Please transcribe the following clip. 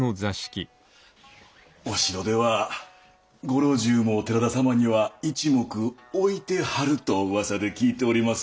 お城ではご老中も寺田様には一目置いてはると噂で聞いております。